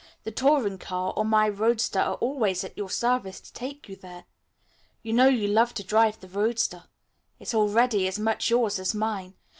The touring car or my roadster are always at your service to take you there. You know you love to drive the roadster. It's already as much yours as mine.